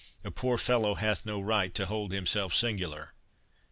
A poor fellow hath no right to hold himself singular."